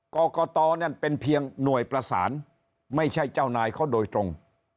กรกตนั่นเป็นเพียงหน่วยประสานไม่ใช่เจ้านายเขาโดยตรง